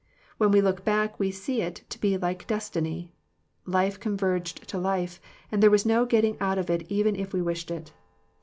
When we look back we see it to be like destiny; life converged to life, and there was no getting out of it even if we wished it.